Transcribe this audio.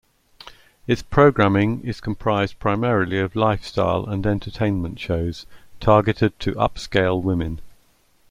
Its programming is composed primarily of lifestyle and entertainment shows targeted to upscale women.